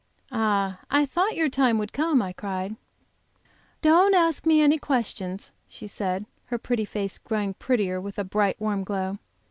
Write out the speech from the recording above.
"Ah, I thought your time would come!" I cried. "Don't ask me any questions," she said, her pretty face growing prettier with a bright; warm glow.